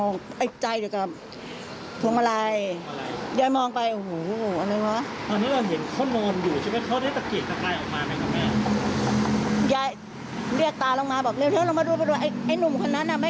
นิ่งแข็งเลยเพราะพบไฟมันแรงมากเลยลูก